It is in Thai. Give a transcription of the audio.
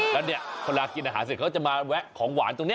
แล้วเนี่ยเวลากินอาหารเสร็จเขาจะมาแวะของหวานตรงนี้